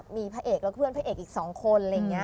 มีพระเอกแล้วก็เพื่อนพระเอกอีกสองคน